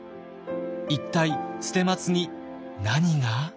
一体捨松に何が？